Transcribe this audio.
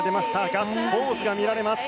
ガッツポーズが見られます。